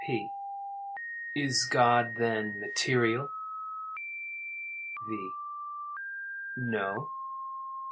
P. Is God, then, material? V. No.